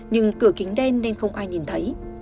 nhưng cửa kính đen nên không ai nhìn thấy